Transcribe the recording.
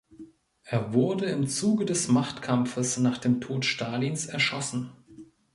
Er wurde im Zuge des Machtkampfes nach dem Tod Stalins erschossen.